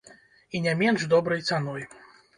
І не менш добрай цаной.